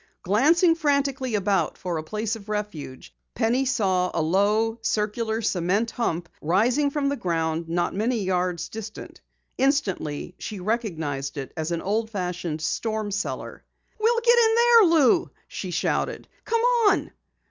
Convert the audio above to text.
Glancing frantically about for a place of refuge, Penny saw a low, circular cement hump rising from the ground not many yards distant. Instantly she recognized it as an old fashioned storm cellar. "We'll get in there, Lou!" she shouted. "Come on!"